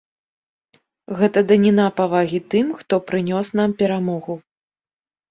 Гэта даніна павагі тым, хто прынёс нам перамогу.